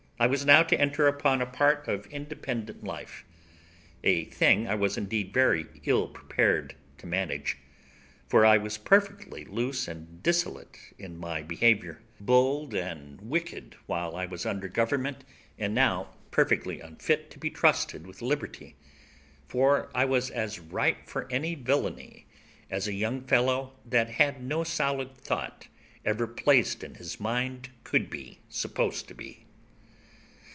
I was now to enter upon a part of independent life, a thing I was indeed very ill prepared to manage, for I was perfectly loose and dissolute in my behaviour, bold and wicked while I was under government, and now perfectly unfit to be trusted with liberty, for I was as ripe for any villainy as a young fellow that had no solid thought ever placed in his mind could be supposed to be.